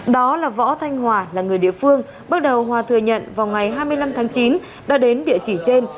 đó là võ thanh hòa là người địa phương bước đầu hòa thừa nhận vào ngày hai mươi năm tháng chín đã đến địa chỉ trên